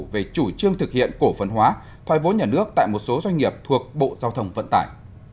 về chủ trương thực hiện cổ phân hóa thoai vốn nhà nước tại một số doanh nghiệp thuộc bộ giao thông vận tải